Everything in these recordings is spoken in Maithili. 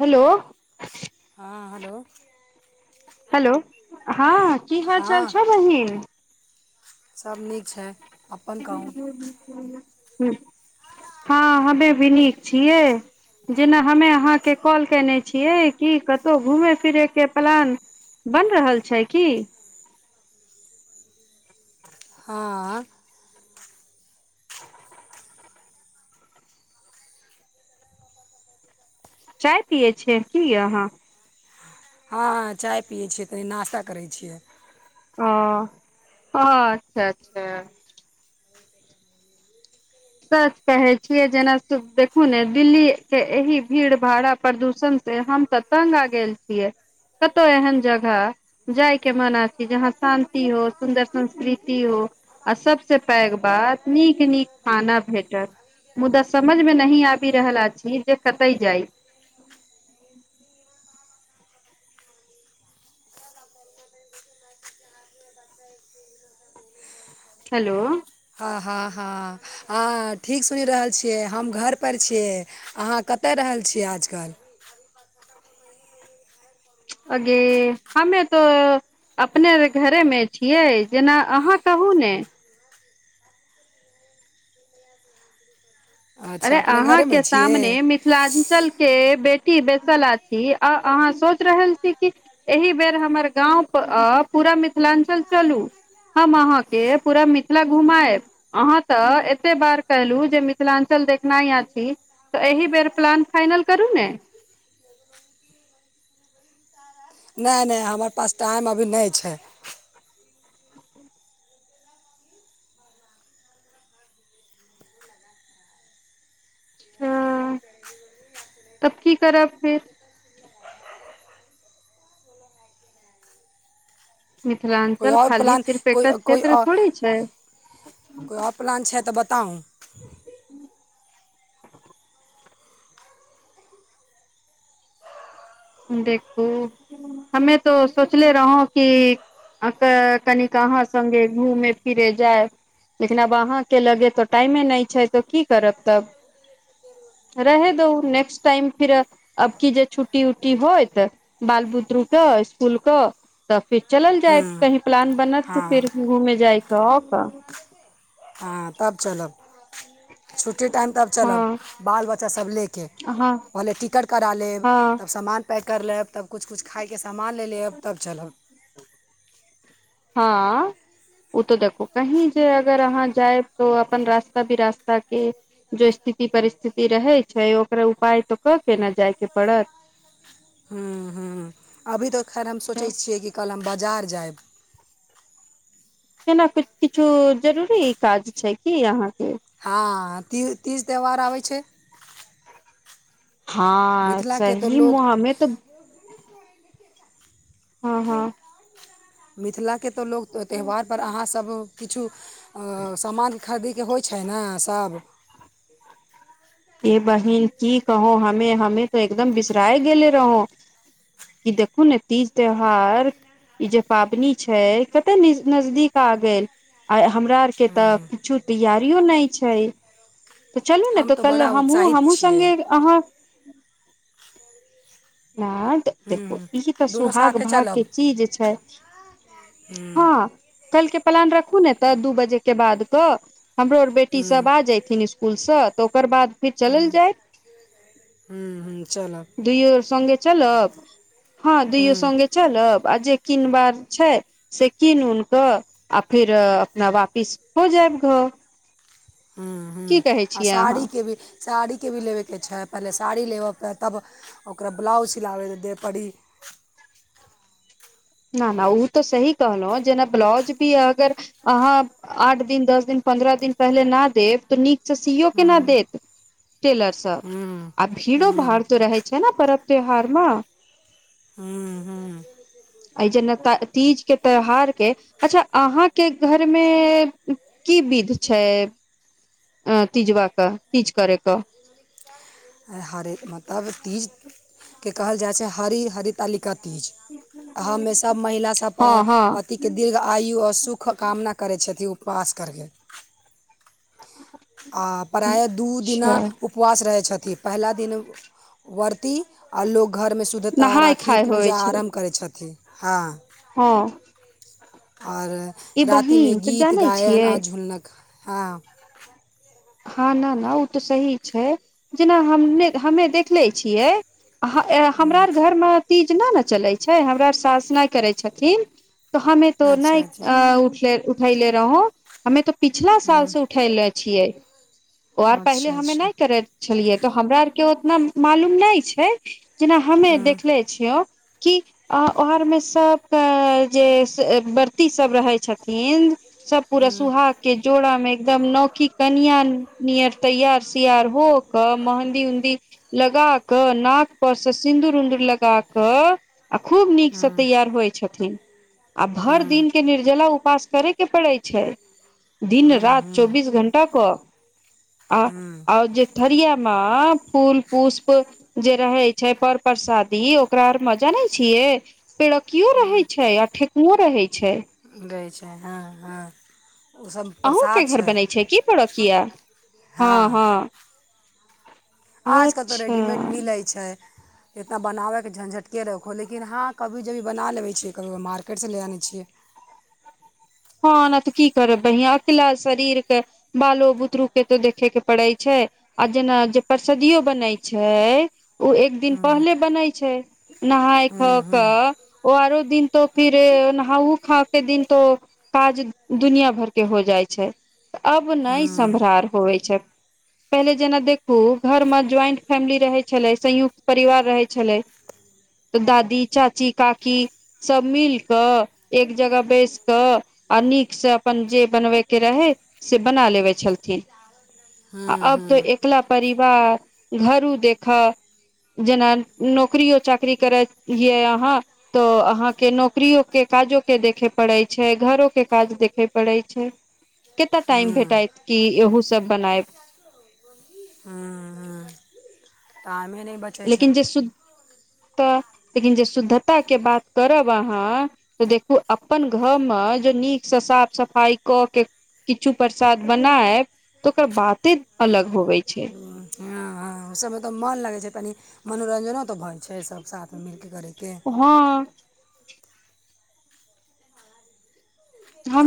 हेलो हाँ हेलो। हेलो हाँ कि हाल चाल छौ बहिन। सब नीक छै अपन कहूँ। हाँ हमे भी नीक छियै। जेना हमे अहाँके कॉल केने छियै कि कतहुँ घुमे फिरे के प्लान बन रहल छै कि? हाँ। चाय पियै छियै की अहाँ। हाँ चाय पियै छियै तनि नश्ता करय छियै। ओं अच्छा अच्छा सच कहे छियै जेना देखू ने दिल्ली के एहि भीड़ भाड़ा प्रदूषण से हम त तंग आ गेल छियै कतहुँ एहन जगह जायके माना छै, जहाँ शान्ति हो सुन्दर संस्कृति हो, आ सब से पैघ बात नीक- नीक खाना भेटत मुदा समझमे नहि आबि रहल अछी जे कतैय जाइ। हेलो हँ हँ हँ आ- ठीक सुनि रहल छियै हम घर पर छियै अहाँ - - कतऽ रहल छियै आजकल अगे हमें तऽ अपने घरेमे छियै जेना अहाँ कहू ने अच्छा अरे अपने अहाँ घरेमे के छियै सामने में मिथिलांचल के बेटी बैसल अछी अ अहाँ सोचि रहल छी कि एहि बेर हमर गाँव प अ पूरा मिथिलाञ्चल चलू। हम अहाँ के पूरा मिथिला घुमाएब अहाँ तऽ एते बार कहलू जे मिथिलां चल देखनाय अछी तऽ एहि बेर प्लान फाइनल करू ने नय नय हमर पास टाइम अभी नय छै हँ तब की करब फिर मिथिलाञ कोइ और प्लान कोइ कोइ और छै कोइ आओर प्लान छै तऽ बताउ। देखू हमे तो सोचले रहु कि अक कनिक अहाँ सङ्गे घूमे फिरे जयब लेकिन आब अहाँके लगे त टाइमे नइ छै तऽ की करब तब। रहै दहु ने्स्ट टाइम फिर अब की जे छुटी इ होइत बाल बुद्रू के स्कूल कऽ तऽ फिर चलल हूँ जायत, कही प्लान बनत हँ फिर घूमे जाय कऽ ओर का हाॅं तब चलब, छुट्टी टाईम तक चलब, हँ बाल बच्चा सब ले के। हँ पहले टिकट करा लेब, हँ तब समान पैक कर लेब, तब किछु किछु खाइके समान ले लेब, तब चलब। हँ। ओ तऽ देखू, कहीं जे अगर अहाँ जायब तो अपन रास्ता- बिरास्ता के जे स्थिति परिस्थिति रहै छै, ओकरा उपाय तऽ कऽ के ने जायके पड़त। हॅं- हॅं अभी तऽ खैर हम तऽ सोचै छियै, कि कल हम बाजार जायब। केना किछु- किछो जरूरी काज छै की अहाँ के। हँ ती तीज त्यौहार आबै छै। हँ मिथिलाके तऽ सही लोक मा हमे तो। हँ -हँ। मिथिला के तऽ लोक त्य- त्यौहारपर अहाँ सब किछु आ समान खरिदे के होइ छै ने, सभ। ए बहिन की कहु हमे, हमे तऽ एकदम बिसराये गेले रहौं। कि देखू ने तीज त्यौहार। ई जे पातनि छैय कते नीज- नजदीक आ गेल। आय हमरा आर के तऽ हूँ कुछो तैयारियो नहि छै, तऽ चलू ने हम त तऽ कल बड़ा हमहूँ उत्साहित -हमहूँ छियै सङ्गे अहाँ प्लान। तऽ देखू ई तऽ हूँ दुनू सुहाग साथे भाग के चलब चीज छै हूँ हँ। कलके प्लान रखू ने तऽ, दू बजे के बाद कऽ, हमरो आर बेटी सब हूँ आ जयथिन स्कूल उल स, ओकर बाद फिर चलल हूँ जायत। हूँ हूँ चलब दुयो संगे चलब, हँ दूयो हूँ संगे चलब आ जे किन बाक छै से कीन उन कऽ, आ फेर अपना वापिस हो जायब घ हूं- हूं आ छियै अहाँ साड़ी के भी साड़ीके भी लेबेके छै, पहिले साड़ी लेबऽके तब ओकरा ब्लाउज सिलाबै देब पड़ी। ना -ना ओ तऽ सही कहलहुँ, जेना ब्लाउज भी अगर अहाँ आठ दिन, दस दिन, पन्द्रह दिन पहिले ना देब, तऽ निक से सीओ के ना हूँ देत। टेलर सब हूँ आ भीड़ो- भाड़ हूँ तऽ रहे छै ने पर्व त्यौहार में। हूँ हूँ एहि जेना तीजके त्यौहारके, अच्छा अहाँके घर में की विध छै। अ तीजवा कऽ तीज करेके? हरे मतलब तीज के कहल जाइ छै, हरि, हरित हरितालिका तीज। हमेशा महिला सब हँ प- हँ पति के दीर्घ आयु, आओर सुखके कामना करै छथिन, उपवास करिके। आ प्रायः दू दिना अच्छा उपवास रहै छथिन, पहिला दिन व्रती, आ लोक घर में शुद्धता नहाय राखी खाय होइ पूजा छै आरम्भ करै छथिन हं। हँ। आओर ई रातिमें बहिन तऽ गीत जानै गायन छियै आ झुनक हँ। हँ न- न ओ तऽ सही छै, जेना हम- हमे देखले छियै हमरा ह्म्म अर घरमे तीज नहि ने चलै छै, हमरा अर सास नै करै छथिन। तऽ हमे तो नहि अच्छा अच्छा उठे-उठाई ले रहौं, हमे तो पिछला साल से ह्म्म उठायले। छियै, ओ आर पहिले अच्छा हमे अच्छा नहि करै छलियै तऽ हमरा आरके ओतना मालूम नहि छै, जेना हमे ह्म्म देखले छियौ की ओहरमे सबके जे व्रती सब रहै छथिन सब पूरा ह्म्म सुहाग के जोड़ा में एकदम नौखी कनिया नियर त यार सायार होक महंदी उनधि लगा कऽ नाक पर से सिन्दूर उदूर लगा कऽ आ खूब नीकसँ ह्म्म तैयार होइ छथिन आ भरि ह्म्म दिनक के निर्जला उपास करै के पड़ै छै दिन राति ह्म्म ह्म्म चौबीस घंटा क आ ह्म्म आर जे थरिया म फूल पुष्प जे रहे छै पर परसादी ओकरा आर में जाने छियै पेड़ कियो रहैत छै आ ठेकुओ रहैत छै। रहे छै। हँ हां। ओ सब अहूँके प्रसाद घर छै। बनै की पेड़किया हँ। आज कल तऽ रेडीमेड अच्छा मिलैत छै। एतना बनाबैके झंझटके रखहो लेकिन हँ कभी जभी बना लेै छियै कभी मार्केटसँ ले आनै छियै। हँ ने तऽ की करब बहि अकला शरीर के बालो बुतरू के तो देखे के पड़ैत छै। आ जेना जे परसदियो बनैत छै ओ एक दिन हूँ पहिले बनैत छै। नहाय खा हूँ हूँ कऽ आरो दिन तो फिर नहा खा के दिन तो काज दुनिया भर के हो जाइ छै तऽ अब नहि हूँ सम्रार होवै छै। पहिले जेना देखू घरमे ज्वाइंट फैमिली रहै छलै संयुक्त परिवार रहै छलै। तऽ दादी चाची काकी सभ मिल कऽ एक जगह बैस कऽ आ नीकसँ अपन जे बनबैके रहै से बना लेबे छलथिन। आ हूँ अब तो हूँ एकला परिवार घरो देखऽ जेना नौकरियो चाकरी करै यै अहाँ तऽ अहाँके नौकरियो के काजो के देखे पड़ैत छै घरो के काज देखे पड़ै छै कतना टाइम हूँ भेटात क एहू सब बनायब ने ब लेकिन जे शुद्धता लेकिन जे शुद्धताके बात करब अहाँ तऽ देखू अपन घरमे जे नीकसँ साफ सफाइ कऽ के किछु प्रसाद बनायब तऽ ओकर बाते अलग होबे छै। हूँ हँ ओ सबमे तऽ मोन लगै छै तनि मनोरञ्जनो तऽ भऽ जा छै सब साथमे मिलके करैके। हँ।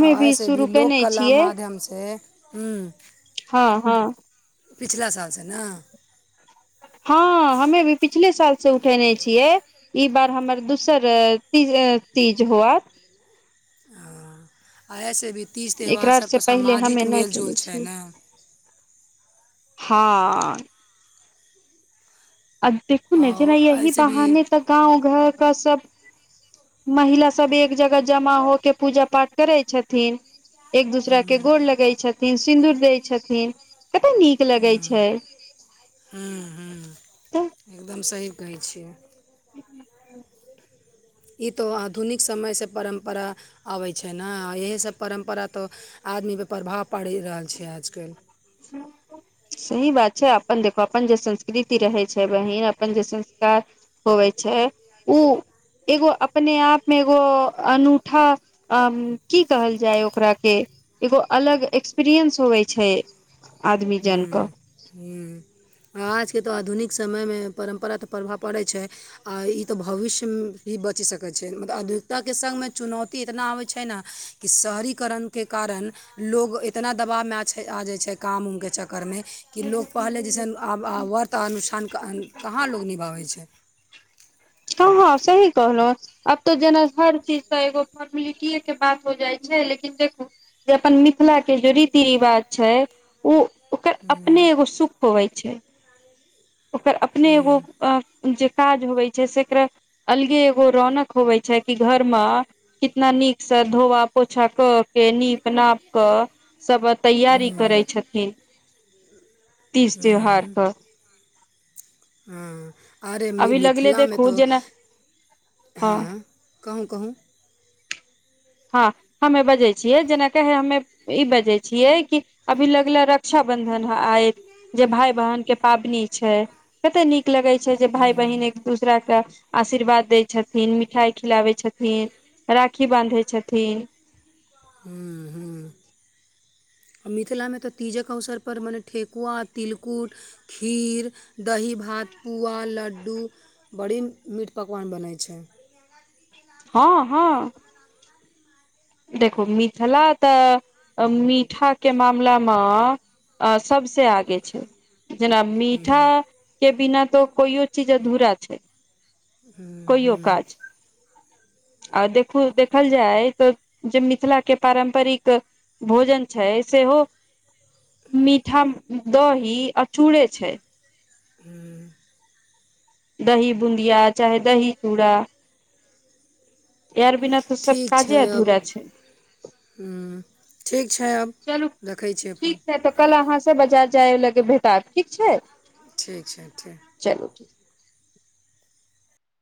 आ अइसे भी शुरू लोक केने कला छियै माध्यमसँ हँ हँ हँ। पिछला सालसँ ने? हँ हमे भी पिछले साल से उठेने छियै। ई बार हमर दोसर तीज तीज होअत। हँ आ एहिसँ भी तीज त्यौहार एकरा सब से तऽ पहिले सामाजिक हमे नहि केले मेलजोल छै छियै ने। हँ। आ देखू ने जेना आओर यही एहिसँ भी बहाने तऽ गाँव घर क सब महिला सभ एक जगह जमा होके पूजा पाठ करै छथिन। एक दूसरा के गोर लगै छथिन सिन्दूर दै छथिन कतय नीक लगै छै। हं-हाँ तऽ एकदम सही कहै छियै। [inaudible] ई तऽ आधुनिक समयसँ परम्परा आबै छै न इएहीसब परम्परा तऽ आदमीप प्रभाव पड़ि रहल छै आजकल [inaudible] सही बात छै अपन देखो अपन जे संस्कृति रहै छै बहिन अपन जे संस्कार होए छै उ एगो अपने आपमे एगो अनूठा अम्म की कहल जाय ओकराके एगो अलग एक्सपीरिएंस होय छै आदमी जान कऽ हूँ हँ आजके तऽ आधुनिक समयमें परम्परा तऽ प्रभाव पड़ै छै आ ई तऽ भविष्य ही बचि सकै छै मतलब अधुनिकताके संगमे चुनौती एतना आबै छै न कि शहरीकरणके कारण लोग इतना दबावमे आ छै आ जाय छै काम उम के चक्कर मे कि लोक पहले जेसन आब आब व्रत अनुष्ठान कहाँ लोक निभाबै छै हँ हँ सही कहलऊ आब तऽ जेना हर चीज तऽ एगो फोर्मेलिटीए के बात हो जाइ छै लेकिन देखू जे अपन मिथिला के जे रीति रिवाज छै उ ओकर हूँ अपने एगो सुख होए छै ओकर अपने एगो हूँ अं जे काज होबै छै सेकरा अलगे एगो रौनक होवै छै कि घरमे कितना नीक स धोआ पोछा क के नीप नाप कऽ सब तैयारी करै हूँ छथिन तीज हूँ त्यौहारक हँ अरे मि अभी लगले मिथिलामे देखू तऽ जेना हँ कहूँ कहूँ हँ हमे बजै छियै जेनाक हमे ई बजै छियै कि अभी लगले रक्षा बंधन आय जे भाय बहन के पाबनि छै कते नीक लगय छै जे भाय हूँ बहिन दूसरा के आशीर्वाद दय छथिन मिठाई खिलाबे छथिन राखी बानधय छथिन हूँ हूँ आ मिथिलामे तऽ तीजक अवसर पर मने ठेकुआ तिलकुट खीर दही भात पुआ लड्डू बड़ी मीट पकवान बनै छै हँ हँ देखू मिथिला तऽ मीठाके मामलामे आ सबसँ आगे छै जेना मीठा के बिना तऽ कोइयो चीज अधूरा छै कहियो काज आ देखू देखल जाय तऽ जे मिथिला के पारम्परिक भोजन छै सेहो मीठा दही अ चूड़े छै एह दही बूंदिया चाहे दही चूड़ा इअर बिना तऽ सब काजे अधुरा छै हूँ ठीक छै अब चलू रखै छियै ठीक फोन छै तऽ कल अहाँसँ बाजार जाय लगे भेटात ठीक छै ठीक छै ठीक। चलु ठीक।